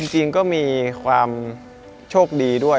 จริงก็มีความโชคดีด้วย